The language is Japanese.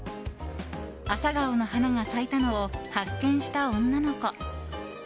アサガオの花が咲いたのを発見した女の子。